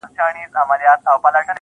ستا زړه ته خو هر څوک ځي راځي گلي.